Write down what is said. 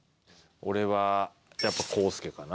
俺はやっぱ康助かな。